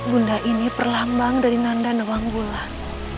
bunda ini perlambang dari nanda newang bulan